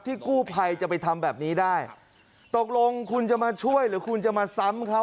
กู้ภัยจะไปทำแบบนี้ได้ตกลงคุณจะมาช่วยหรือคุณจะมาซ้ำเขา